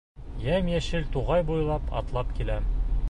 Йәм-йәшел туғай буйлап атлап киләм.